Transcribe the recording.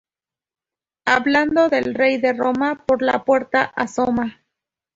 Hablando del rey de Roma, por la puerta asoma